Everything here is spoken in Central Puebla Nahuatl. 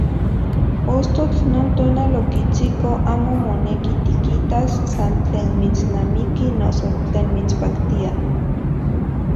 Ostotl non tonal okitsiko amo moneki tikitas san tlen mitsnamiki noso te mitspaktia.